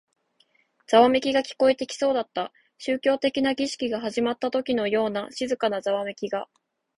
ざわめきが聞こえてきそうだった。宗教的な儀式が始まったときのような静かなざわめきが。